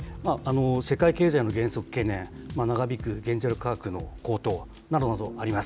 世界経済の減速懸念、長引く原材料価格の高騰などなどあります。